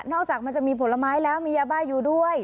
จากมันจะมีผลไม้แล้วมียาบ้าอยู่ด้วย